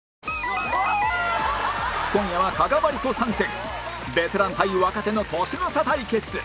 今夜は加賀まりこ参戦ベテラン対若手の年の差対決